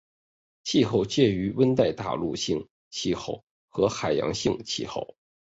气候介于温带大陆性气候和海洋性气候。